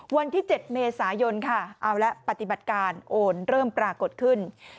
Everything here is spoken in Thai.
วันที่๗เมษายนค่ะเอาละปฏิบัติการโอนเริ่มปรากฏขึ้น